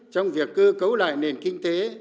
trong việc cư cấu lại nền kinh tế